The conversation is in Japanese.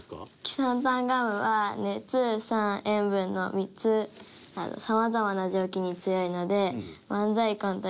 キサンタンガムは熱酸塩分の３つさまざまな蒸気に強いので。